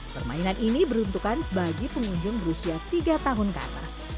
permainan ini beruntukan bagi pengunjung berusia tiga tahun ke atas